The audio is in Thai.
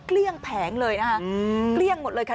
เกลี้ยงแผงเลยนะคะเกลี้ยงหมดเลยค่ะ